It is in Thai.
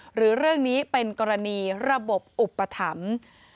หรือเรื่องนี้เป็นกรณีระบบอุปถัมภ์